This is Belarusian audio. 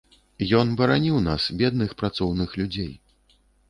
Ён бараніў нас, бедных, працоўных людзей.